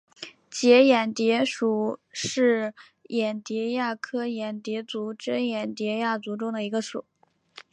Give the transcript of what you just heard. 结眼蝶属是眼蝶亚科眼蝶族珍眼蝶亚族中的一个属。